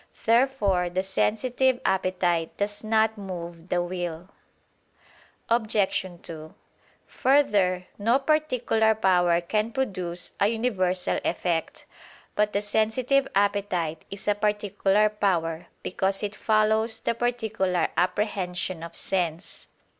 Therefore the sensitive appetite does not move the will. Obj. 2: Further, no particular power can produce a universal effect. But the sensitive appetite is a particular power, because it follows the particular apprehension of sense.